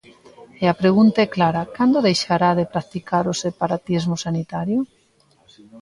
E a pregunta é clara: ¿cando deixará de practicar o separatismo sanitario?